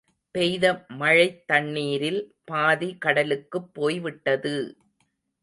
பெய்த மழைத் தண்ணீரில் பாதி கடலுக்குப் போய்விட்டது!